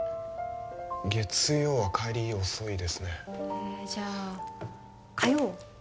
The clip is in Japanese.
月曜は帰り遅いですねえじゃあ火曜は？